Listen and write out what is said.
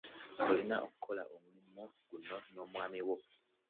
Olina okukola omulimu guno n'omwami wo.